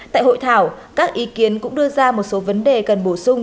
tại hội thảo các ý kiến cũng đưa ra một số vấn đề cần bổ sung